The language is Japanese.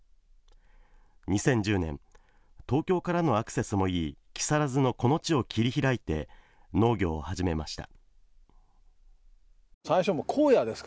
２０１０年、東京からのアクセスもいい木更津のこの地を切り開いて農業を始めました。